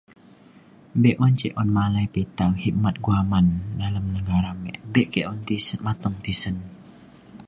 me be’un ce pita khidmat guaman dalem negara me be ke un tis- mateng tisen.